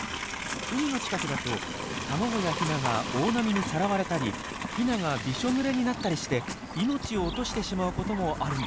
海の近くだと卵やヒナが大波にさらわれたりヒナがびしょぬれになったりして命を落としてしまうこともあるんです。